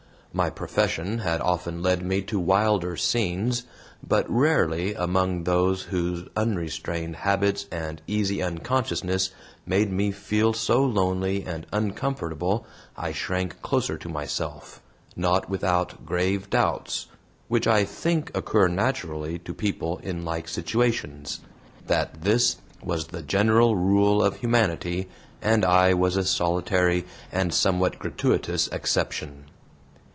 My profession had often led me to wilder scenes, but rarely among those whose unrestrained habits and easy unconsciousness made me feel so lonely and uncomfortable I shrank closer to myself, not without grave doubts which I think occur naturally to people in like situations that this was the general rule of humanity and I was a solitary and somewhat gratuitous exception.